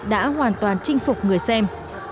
đã hoàn toàn chinh phục người xem